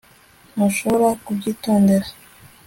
ntushobora kubyitondera